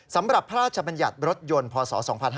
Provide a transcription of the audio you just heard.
สำหรับพระอาจบรรยัตน์รถยนต์พศ๒๕๒๒